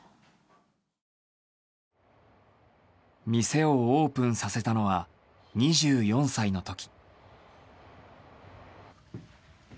店をオープンさせたのは２４歳の時。